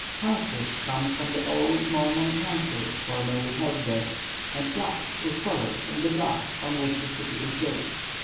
Council comes from the old Mormon councils formerly held there, and Bluffs is borrowed from the bluffs on which the city is built.